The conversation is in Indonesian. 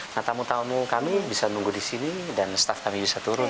nah tamu tamu kami bisa nunggu di sini dan staff kami bisa turun